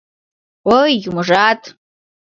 Ой, юмыжат!..»